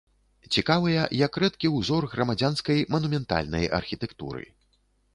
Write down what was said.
Цікавыя як рэдкі ўзор грамадзянскай манументальнай архітэктуры.